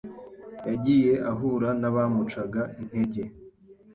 yagiye ahura n’abamucaga intege